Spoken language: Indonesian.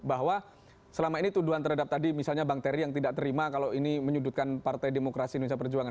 bahwa selama ini tuduhan terhadap tadi misalnya bang terry yang tidak terima kalau ini menyudutkan partai demokrasi indonesia perjuangan